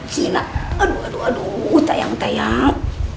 sini nak aduh aduh aduh sayang sayang